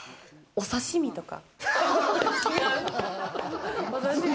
お刺身とか？